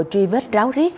truy vết ráo riết